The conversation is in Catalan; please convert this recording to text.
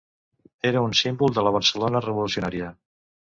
Era un símbol de la Barcelona revolucionària.